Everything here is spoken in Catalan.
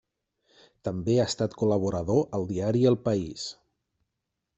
També ha estat col·laborador al diari El País.